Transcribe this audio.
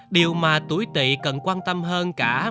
điều mà tuổi tị cần quan tâm hơn cả